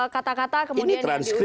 kata kata kemudian yang diucapkan